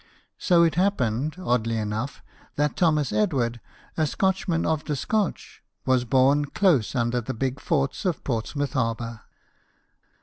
So it happened, oddly enough, that Thomas Edward, a Scotchman of the Scotch, was born close under the big forts of Portsmouth harbour.